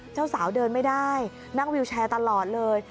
เจ้าสาวเดินไม่ได้นั่งวิวแชร์ตลอดเลย